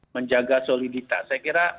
menjaga soliditas saya kira